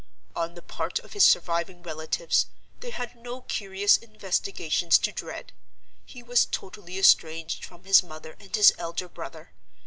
On the part of his surviving relatives, they had no curious investigations to dread. He was totally estranged from his mother and his elder brother.